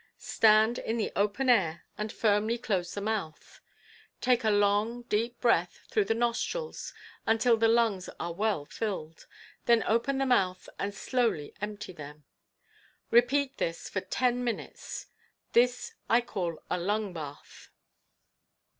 Stand in the open air and firmly close the mouth. Take a long, deep breath through the nostrils until the lungs are well filled, then open the mouth and slowly empty them. Repeat this for ten minutes. This I call a lung bath.